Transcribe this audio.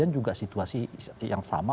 dua ribu sembilan juga situasi yang sama